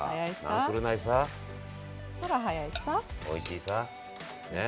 おいしいさ。